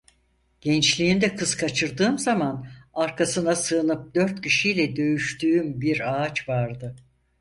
Gençliğimde kız kaçırdığım zaman arkasına sığınıp dört kişiyle dövüştüğüm bir ağaç vardı.